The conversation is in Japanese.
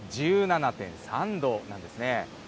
１７．３度なんですね。